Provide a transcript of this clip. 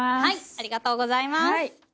ありがとうございます。